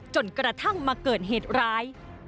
จนกระทั่งมาเกิดเหตุร้าย